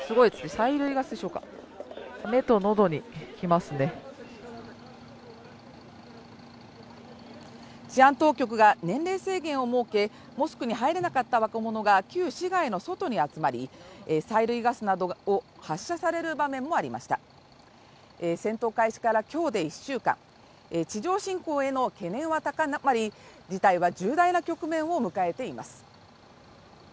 催涙ガスでしょうか目と喉に来ますね治安当局が年齢制限を設けモスクに入れなかった若者が旧市街の外に集まり催涙ガスなどを発射される場面もありました戦闘開始から今日で１週間地上侵攻への懸念は高まり事態は重大な局面を迎えています